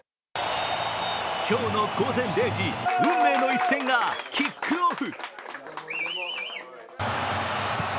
今日の午前０時、運命の一戦がキックオフ。